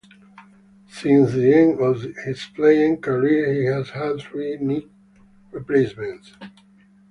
Since the end of his playing career he has had three knee replacements.